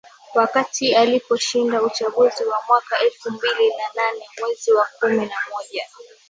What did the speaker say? Wakati aliposhinda uchaguzi wa mwaka elfu mbili na nane mwezi wa kumi na moja